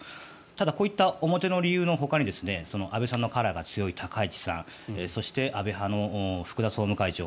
ただ、こういった表の理由のほかに安倍さんのカラーが強い高市さんそして、安倍派の福田総務会長